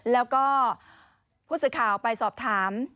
แล้วก็ผู้สื่อข่าวไปสอบถาม